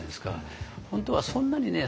本当はそんなにね